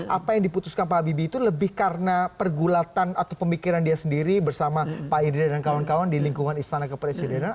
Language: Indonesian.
apa yang diputuskan pak habibie itu lebih karena pergulatan atau pemikiran dia sendiri bersama pak indra dan kawan kawan di lingkungan istana kepresidenan